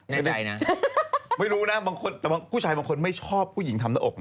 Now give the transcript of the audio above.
ในใจนะไม่รู้นะบางคนแต่บางผู้ชายบางคนไม่ชอบผู้หญิงทำหน้าอกนะ